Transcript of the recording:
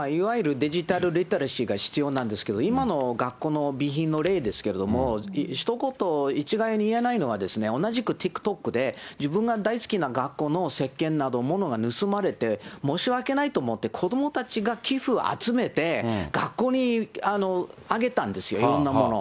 いわゆるデジタルリテラシーが必要なんですけれども、今の学校の備品の例ですけれども、ひと言、一概に言えないのは同じくＴｉｋＴｏｋで、自分が大好きな学校のせっけんなど盗まれて、申し訳ないと思って、子どもたちが寄付を集めて学校にあげたんですよ、いろんなものを。